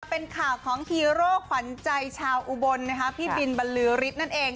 เป็นข่าวของฮีโร่ขวัญใจชาวอุบลนะคะพี่บินบรรลือฤทธิ์นั่นเอง